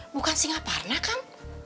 bukan singapurna kan